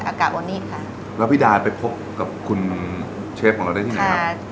อากาศวันนี้ค่ะแล้วพี่ดานไปพบกับคุณเชฟของเราได้ที่ไหนครับใช่